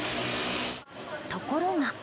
ところが。